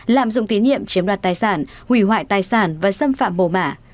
lạm dụng tín nhiệm chiếm đoạt tài sản hủy hoại tài sản và xâm phạm mồ mả